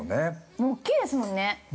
◆もう大きいですもんね。